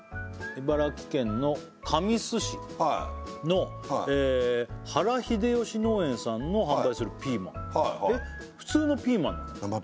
茨城県の神栖市の原秀吉農園さんの販売するピーマンえっ普通のピーマンなの？